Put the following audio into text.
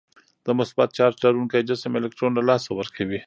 د مثبت چارج لرونکی جسم الکترون له لاسه ورکوي.